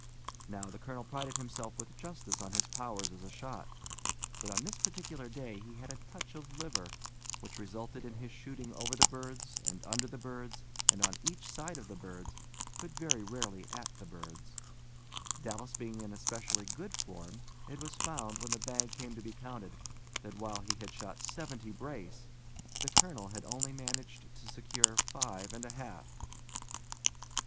Now, the colonel prided himself with justice on his powers as a shot; but on this particular day he had a touch of liver, which resulted in his shooting over the birds, and under the birds, and on each side of the birds, but very rarely at the birds. Dallas being in especially good form, it was found, when the bag came to be counted, that, while he had shot seventy brace, the colonel had only managed to secure five and a half!